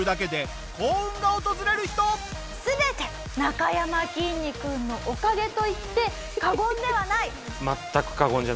全てなかやまきんに君のおかげと言って過言ではない。